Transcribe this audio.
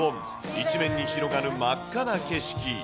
一面に広がる真っ赤な景色。